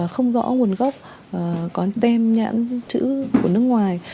không rõ nguồn gốc có tem nhãn chữ của nước ngoài